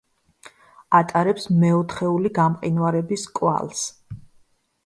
ატარებს მეოთხეული გამყინვარების კვალს.